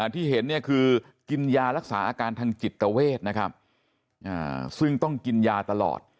ที่เห็นคือกินยารักษาอาการทางจิตตะเวทซึ่งต้องกินยาตลอด